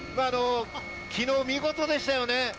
昨日、見事でしたよね。